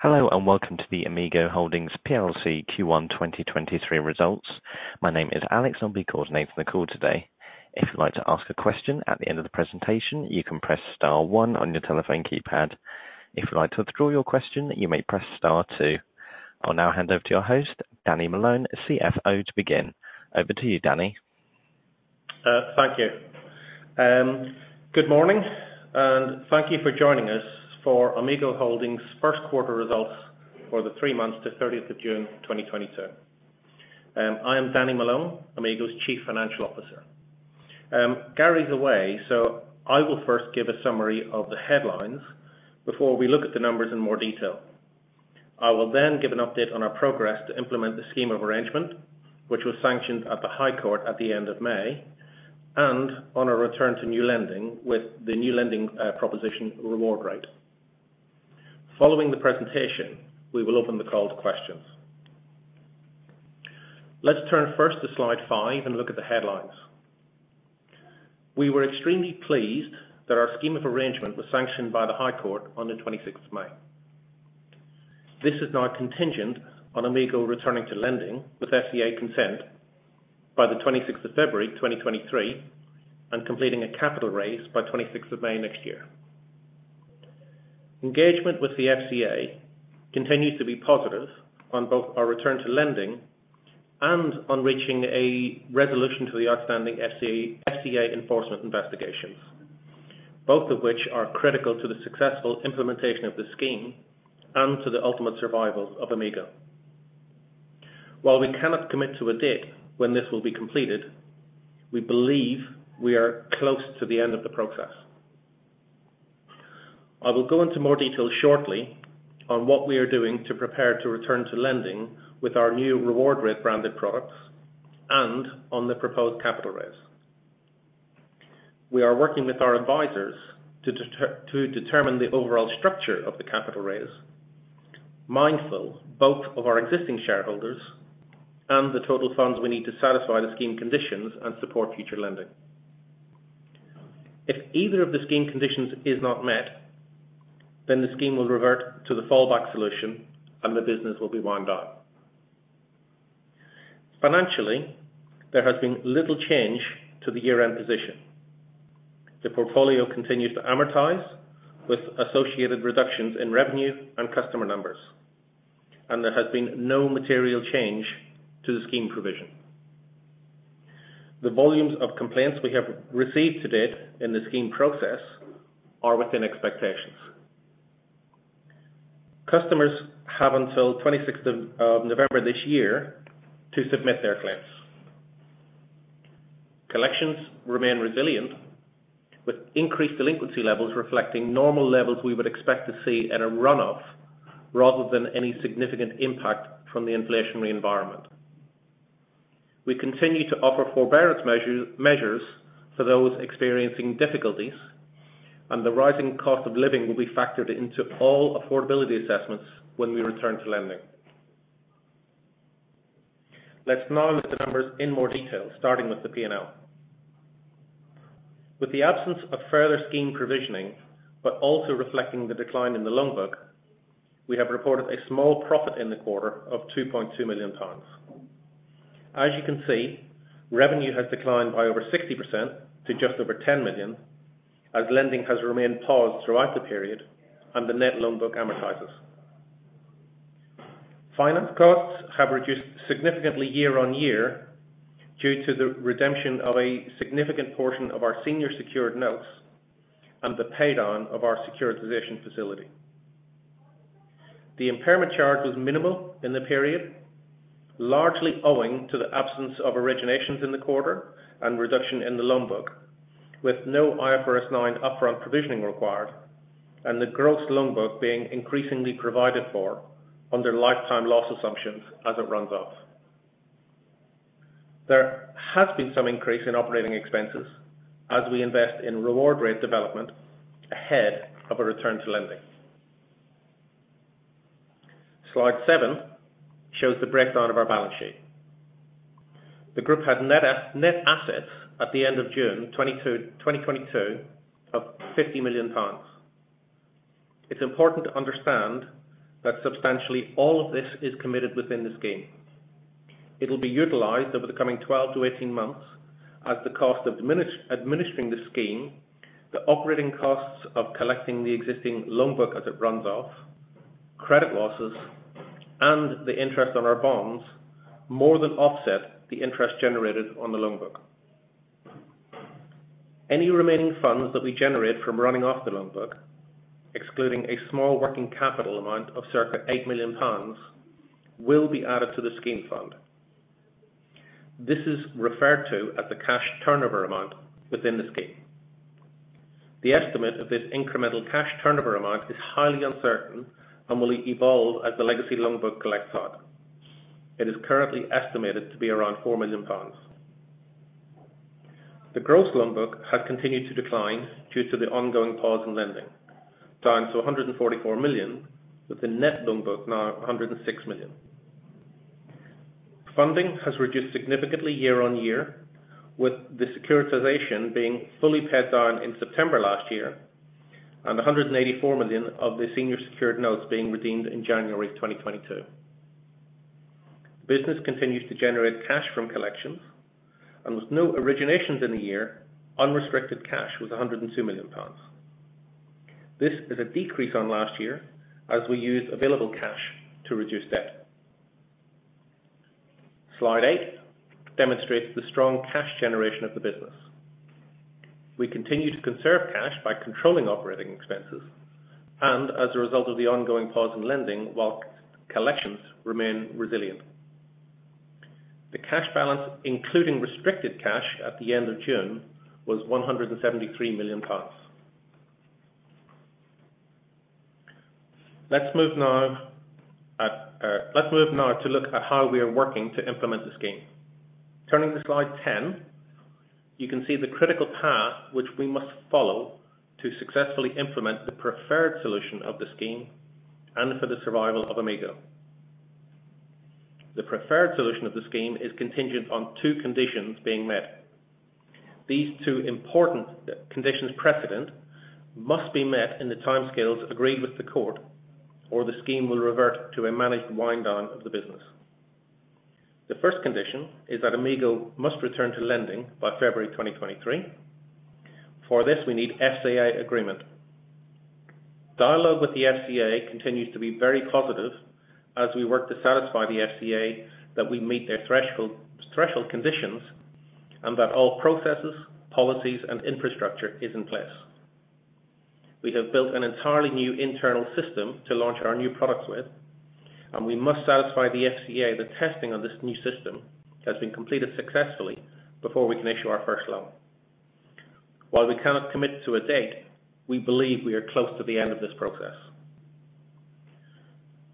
Hello, and welcome to the Amigo Holdings PLC Q1 2023 results. My name is Alex. I'll be coordinating the call today. If you'd like to ask a question at the end of the presentation, you can press star one on your telephone keypad. If you'd like to withdraw your question, you may press star two. I'll now hand over to your host, Danny Malone, Chief Financial Officer, to begin. Over to you, Danny. Thank you. Good morning, and thank you for joining us for Amigo Holdings first quarter results for the three months to June 30th, 2022. I am Danny Malone, Amigo's Chief Financial Officer. Gary's away. I will first give a summary of the headlines before we look at the numbers in more detail. I will then give an update on our progress to implement the Scheme of Arrangement, which was sanctioned at the High Court at the end of May, and on a return to new lending with the new lending proposition RewardRate. Following the presentation, we will open the call to questions. Let's turn first to slide five and look at the headlines. We were extremely pleased that our Scheme of Arrangement was sanctioned by the High Court on the May 26th. This is now contingent on Amigo returning to lending with FCA consent by the February 26th, 2023, and completing a capital raise by May 26th next year. Engagement with the FCA continues to be positive on both our return to lending and on reaching a resolution to the outstanding FCA enforcement investigations, both of which are critical to the successful implementation of the scheme and to the ultimate survival of Amigo. While we cannot commit to a date when this will be completed, we believe we are close to the end of the process. I will go into more detail shortly on what we are doing to prepare to return to lending with our new RewardRate branded products and on the proposed capital raise. We are working with our advisors to determine the overall structure of the capital raise, mindful both of our existing shareholders and the total funds we need to satisfy the scheme conditions and support future lending. If either of the scheme conditions is not met, then the scheme will revert to the fallback solution, and the business will be wind down. Financially, there has been little change to the year-end position. The portfolio continues to amortize with associated reductions in revenue and customer numbers, and there has been no material change to the scheme provision. The volumes of complaints we have received to date in the scheme process are within expectations. Customers have until November 26th this year to submit their claims. Collections remain resilient, with increased delinquency levels reflecting normal levels we would expect to see in a runoff rather than any significant impact from the inflationary environment. We continue to offer forbearance measures for those experiencing difficulties, and the rising cost of living will be factored into all affordability assessments when we return to lending. Let's now look at the numbers in more detail, starting with the P&L. With the absence of further scheme provisioning, but also reflecting the decline in the loan book, we have reported a small profit in the quarter of 2.2 million. As you can see, revenue has declined by over 60% to just over 10 million, as lending has remained paused throughout the period and the net loan book amortizes. Finance costs have reduced significantly year on year due to the redemption of a significant portion of our senior secured notes and the paid down of our securitization facility. The impairment charge was minimal in the period, largely owing to the absence of originations in the quarter and reduction in the loan book, with no IFRS 9 upfront provisioning required and the gross loan book being increasingly provided for under lifetime loss assumptions as it runs off. There has been some increase in operating expenses as we invest in RewardRate development ahead of a return to lending. Slide seven shows the breakdown of our balance sheet. The group had net assets at the end of June 2022 of 50 million pounds. It's important to understand that substantially all of this is committed within the scheme. It will be utilized over the coming 12 months-18 months as the cost of administering the scheme, the operating costs of collecting the existing loan book as it runs off, credit losses, and the interest on our bonds more than offset the interest generated on the loan book. Any remaining funds that we generate from running off the loan book, excluding a small working capital amount of circa 8 million pounds, will be added to the scheme fund. This is referred to as the cash turnover amount within the scheme. The estimate of this incremental cash turnover amount is highly uncertain and will evolve as the legacy loan book collects up. It is currently estimated to be around 4 million pounds. The gross loan book has continued to decline due to the ongoing pause in lending, down to 144 million, with the net loan book now 106 million. Funding has reduced significantly year on year, with the securitization being fully paid down in September last year, and 184 million of the senior secured notes being redeemed in January 2022. Business continues to generate cash from collections, and with no originations in the year, unrestricted cash was 102 million pounds. This is a decrease on last year as we used available cash to reduce debt. Slide eight demonstrates the strong cash generation of the business. We continue to conserve cash by controlling operating expenses and as a result of the ongoing pause in lending while collections remain resilient. The cash balance, including restricted cash at the end of June, was 173 million pounds. Let's move now to look at how we are working to implement the scheme. Turning to Slide 10, you can see the critical path which we must follow to successfully implement the preferred solution of the scheme and for the survival of Amigo. The preferred solution of the scheme is contingent on two conditions being met. These two important conditions precedent must be met in the timescales agreed with the court, or the scheme will revert to a managed wind down of the business. The first condition is that Amigo must return to lending by February 2023. For this, we need FCA agreement. Dialogue with the FCA continues to be very positive as we work to satisfy the FCA that we meet their threshold conditions and that all processes, policies, and infrastructure is in place. We have built an entirely new internal system to launch our new products with, and we must satisfy the FCA that testing of this new system has been completed successfully before we can issue our first loan. While we cannot commit to a date, we believe we are close to the end of this process.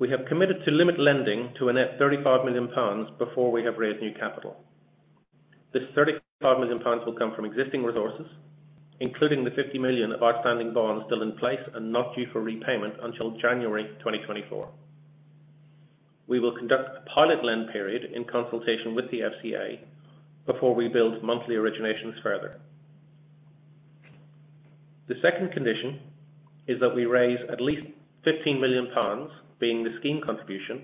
We have committed to limit lending to a net 35 million pounds before we have raised new capital. This 35 million pounds will come from existing resources, including the 50 million of outstanding bonds still in place and not due for repayment until January 2024. We will conduct a pilot lend period in consultation with the FCA before we build monthly originations further. The second condition is that we raise at least 15 million pounds, being the scheme contribution,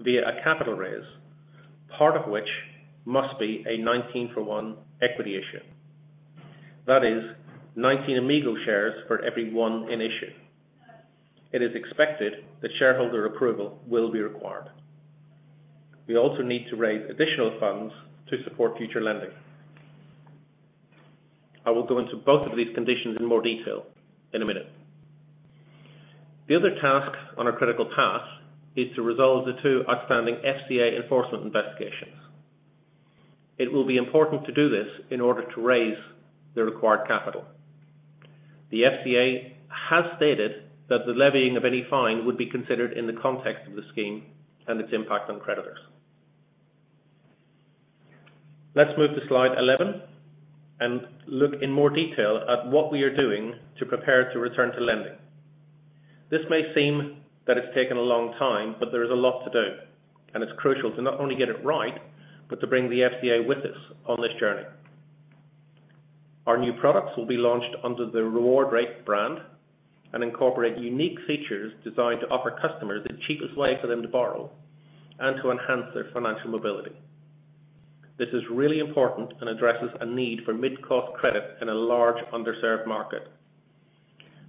via a capital raise. Part of which must be a 19-for-1 equity issue. That is 19 Amigo shares for every 1 in issue. It is expected that shareholder approval will be required. We also need to raise additional funds to support future lending. I will go into both of these conditions in more detail in a minute. The other task on our critical path is to resolve the two outstanding FCA enforcement investigations. It will be important to do this in order to raise the required capital. The FCA has stated that the levying of any fine would be considered in the context of the scheme and its impact on creditors. Let's move to Slide 11 and look in more detail at what we are doing to prepare to return to lending. This may seem that it's taken a long time, but there is a lot to do, and it's crucial to not only get it right but to bring the FCA with us on this journey. Our new products will be launched under the RewardRate brand and incorporate unique features designed to offer customers the cheapest way for them to borrow and to enhance their financial mobility. This is really important and addresses a need for mid-cost credit in a large underserved market.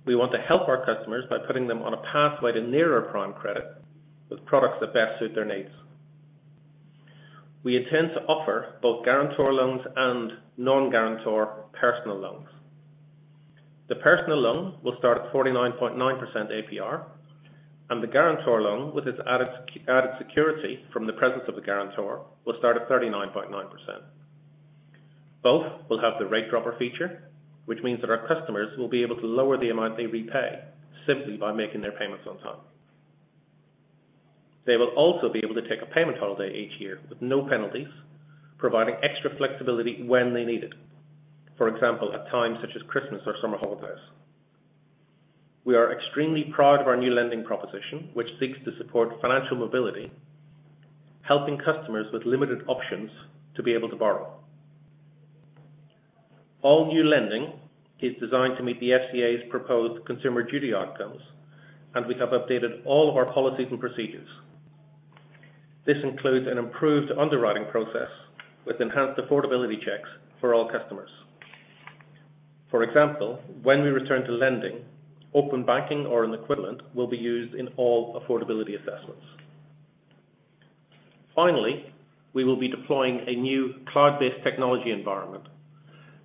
We want to help our customers by putting them on a pathway to nearer prime credit with products that best suit their needs. We intend to offer both guarantor loans and non-guarantor personal loans. The personal loan will start at 49.9% APR, and the guarantor loan with its added security from the presence of the guarantor will start at 39.9%. Both will have the rate dropper feature, which means that our customers will be able to lower the amount they repay simply by making their payments on time. They will also be able to take a payment holiday each year with no penalties, providing extra flexibility when they need it. For example, at times such as Christmas or summer holidays. We are extremely proud of our new lending proposition, which seeks to support financial mobility, helping customers with limited options to be able to borrow. All new lending is designed to meet the FCA's proposed Consumer Duty outcomes, and we have updated all of our policies and procedures. This includes an improved underwriting process with enhanced affordability checks for all customers. For example, when we return to lending, Open Banking or an equivalent will be used in all affordability assessments. Finally, we will be deploying a new cloud-based technology environment.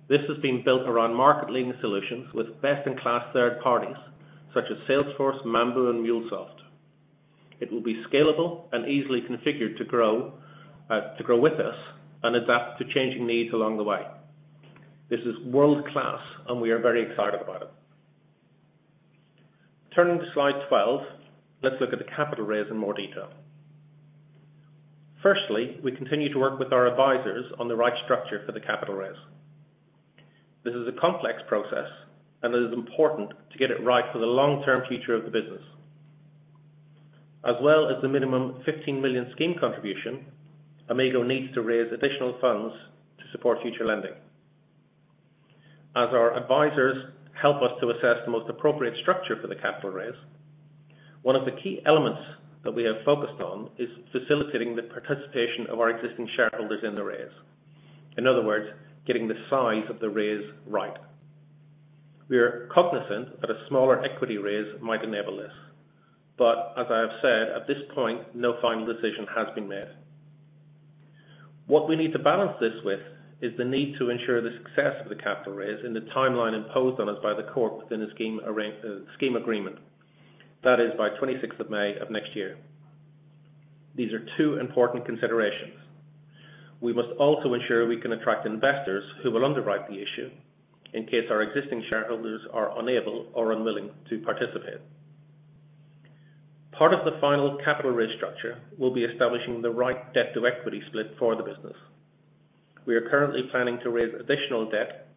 This has been built around market-leading solutions with best in class third parties such as Salesforce, Mambu, and MuleSoft. It will be scalable and easily configured to grow with us and adapt to changing needs along the way. This is world-class, and we are very excited about it. Turning to Slide 12, let's look at the capital raise in more detail. Firstly, we continue to work with our advisors on the right structure for the capital raise. This is a complex process, and it is important to get it right for the long-term future of the business. As well as the minimum 15 million scheme contribution, Amigo needs to raise additional funds to support future lending. As our advisors help us to assess the most appropriate structure for the capital raise, one of the key elements that we have focused on is facilitating the participation of our existing shareholders in the raise. In other words, getting the size of the raise right. We are cognizant that a smaller equity raise might enable this. As I have said, at this point, no final decision has been made. What we need to balance this with is the need to ensure the success of the capital raise and the timeline imposed on us by the court within a scheme agreement. That is by the twenty-sixth of May of next year. These are two important considerations. We must also ensure we can attract investors who will underwrite the issue in case our existing shareholders are unable or unwilling to participate. Part of the final capital raise structure will be establishing the right debt to equity split for the business. We are currently planning to raise additional debt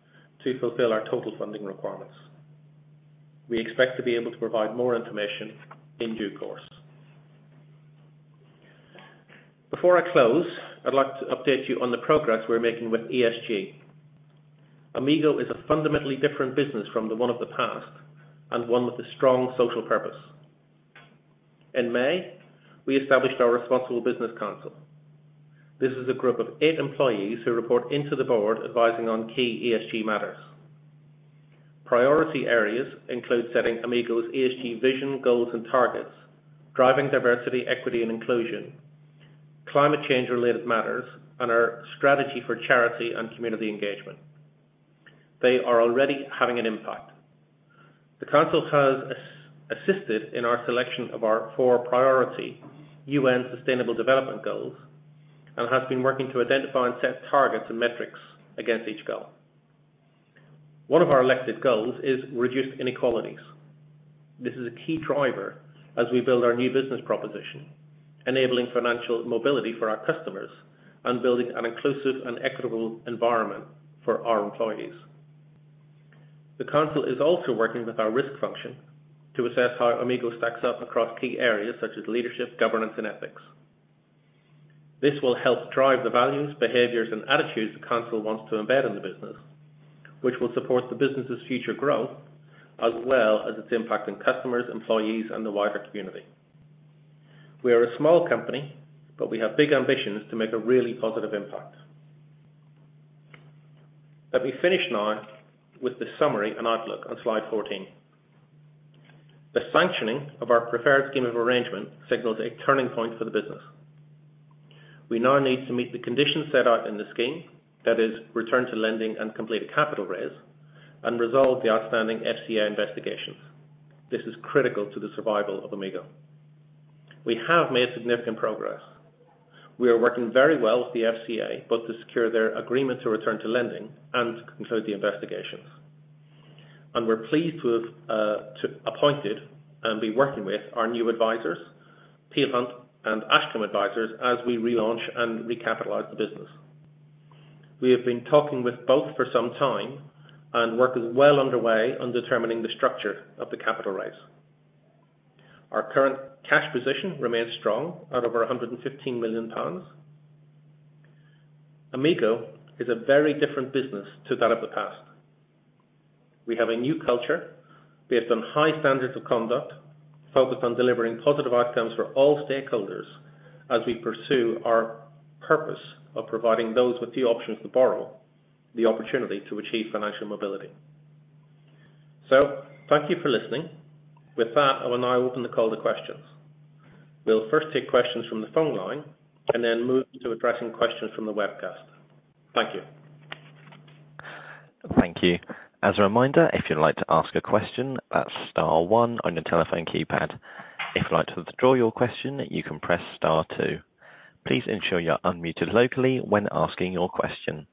to fulfill our total funding requirements. We expect to be able to provide more information in due course. Before I close, I'd like to update you on the progress we're making with ESG. Amigo is a fundamentally different business from the one of the past, and one with a strong social purpose. In May, we established our Responsible Business Council. This is a group of eight employees who report into the board advising on key ESG matters. Priority areas include setting Amigo's ESG vision, goals, and targets, driving diversity, equity, and inclusion, climate change related matters, and our strategy for charity and community engagement. They are already having an impact. The council has assisted in our selection of our four priority UN Sustainable Development Goals and has been working to identify and set targets and metrics against each goal. One of our elected goals is reduce inequalities. This is a key driver as we build our new business proposition, enabling financial mobility for our customers, and building an inclusive and equitable environment for our employees. The council is also working with our risk function to assess how Amigo stacks up across key areas such as leadership, governance, and ethics. This will help drive the values, behaviors, and attitudes the council wants to embed in the business, which will support the business's future growth as well as its impact on customers, employees, and the wider community. We are a small company, but we have big ambitions to make a really positive impact. Let me finish now with the summary and outlook on Slide 14. The sanctioning of our preferred Scheme of Arrangement signals a turning point for the business. We now need to meet the conditions set out in the scheme, that is return to lending and complete a capital raise, and resolve the outstanding FCA investigations. This is critical to the survival of Amigo. We have made significant progress. We are working very well with the FCA, both to secure their agreement to return to lending and conclude the investigations. We're pleased to have appointed and be working with our new advisors, Peel Hunt and Ashcombe Advisers, as we relaunch and recapitalize the business. We have been talking with both for some time and work is well underway on determining the structure of the capital raise. Our current cash position remains strong at over 115 million pounds. Amigo is a very different business to that of the past. We have a new culture based on high standards of conduct, focused on delivering positive outcomes for all stakeholders as we pursue our purpose of providing those with few options to borrow the opportunity to achieve financial mobility. Thank you for listening. With that, I will now open the call to questions. We'll first take questions from the phone line and then move to addressing questions from the webcast. Thank you. Thank you. As a reminder, if you'd like to ask a question, that's star one on your telephone keypad. If you'd like to withdraw your question, you can press star two. Please ensure you're unmuted locally when asking your question.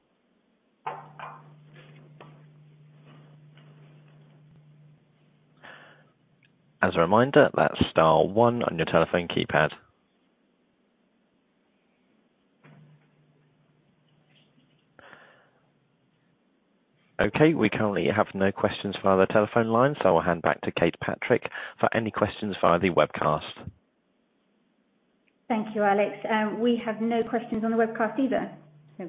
As a reminder, that's star one on your telephone keypad. Okay, we currently have no questions via the telephone line, so I'll hand back to Kate Patrick for any questions via the webcast. Thank you, Alex. We have no questions on the webcast either. Oh,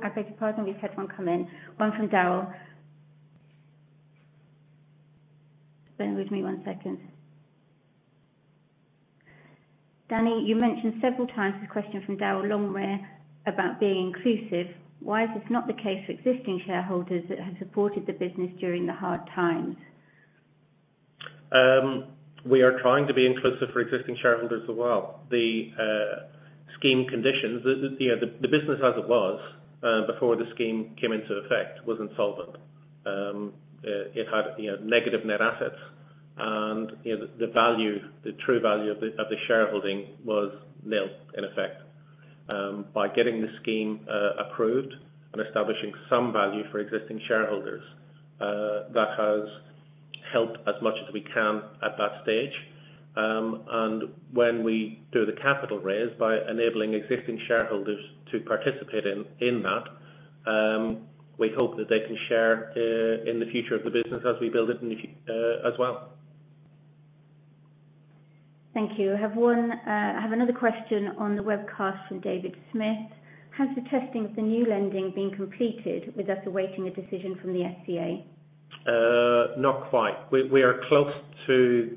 I beg your pardon. We've had one come in. One from Daryl. Bear with me one second. Danny, you mentioned several times the question from Daryl Longware about being inclusive. Why is this not the case for existing shareholders that have supported the business during the hard times? We are trying to be inclusive for existing shareholders as well. The scheme conditions, you know, the business as it was before the scheme came into effect was insolvent. It had, you know, negative net assets, and, you know, the value, the true value of the shareholding was nil in effect. By getting the scheme approved and establishing some value for existing shareholders, that has helped as much as we can at that stage. When we do the capital raise by enabling existing shareholders to participate in that, we hope that they can share in the future of the business as we build it in the future as well. Thank you. I have another question on the webcast from David Smith. Has the testing of the new lending been completed with us awaiting a decision from the FCA? Not quite. We are close to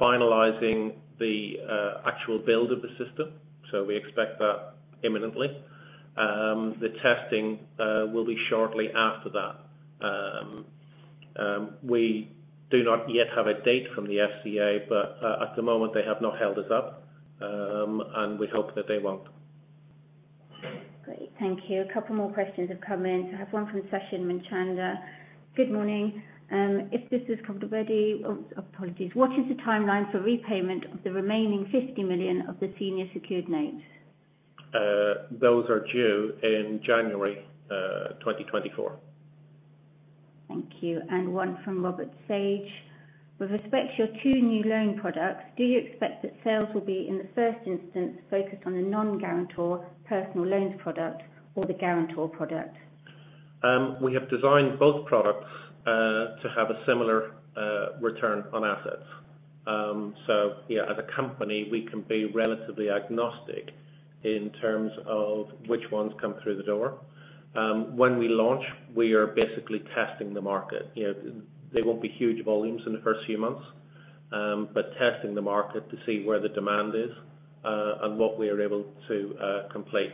finalizing the actual build of the system, so we expect that imminently. The testing will be shortly after that. We do not yet have a date from the FCA, but at the moment, they have not held us up, and we hope that they won't. Great. Thank you. A couple more questions have come in. I have one from Seshen Minchanda. Good morning. What is the timeline for repayment of the remaining 50 million of the senior secured notes? Those are due in January 2024. Thank you. One from Robert Sage. With respect to your two new loan products, do you expect that sales will be, in the first instance, focused on the non-guarantor personal loans product or the guarantor product? We have designed both products to have a similar return on assets. Yeah, as a company, we can be relatively agnostic in terms of which ones come through the door. When we launch, we are basically testing the market. You know, there won't be huge volumes in the first few months, but testing the market to see where the demand is, and what we are able to complete.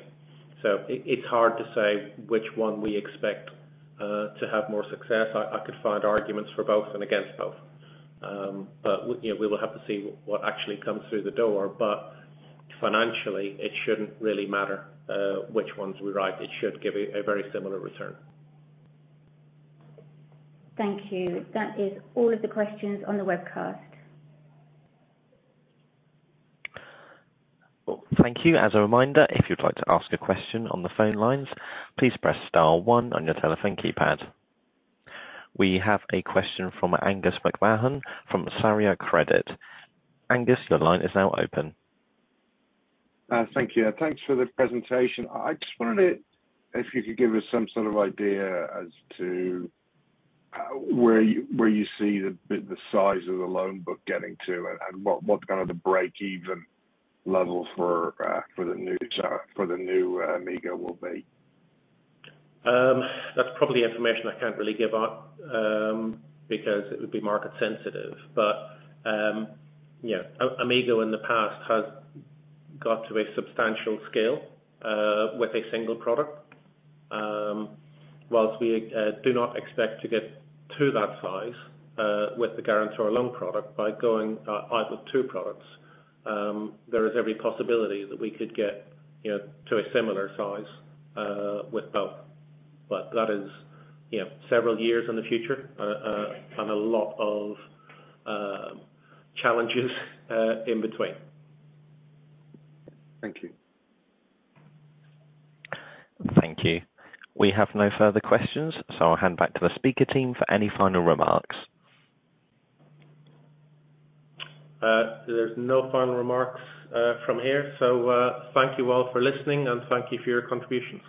It's hard to say which one we expect to have more success. I could find arguments for both and against both. You know, we will have to see what actually comes through the door. Financially, it shouldn't really matter which ones arrive. It should give a very similar return. Thank you. That is all of the questions on the webcast. Well, thank you. As a reminder, if you'd like to ask a question on the phone lines, please press star one on your telephone keypad. We have a question from Aengus McMahon from Sarria Credit. Aengus, the line is now open. Thank you. Thanks for the presentation. I just wondered if you could give us some sort of idea as to where you see the size of the loan book getting to and what kind of the break-even level for the new start for the new Amigo will be. That's probably information I can't really give out, because it would be market sensitive. Yeah. Amigo in the past has got to a substantial scale with a single product. While we do not expect to get to that size with the guarantor loan product by going either two products, there is every possibility that we could get, you know, to a similar size with both. That is, you know, several years in the future and a lot of challenges in between. Thank you. Thank you. We have no further questions. I'll hand back to the speaker team for any final remarks. There's no final remarks from here, so thank you all for listening, and thank you for your contributions.